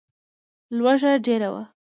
لوږه ډېره وه.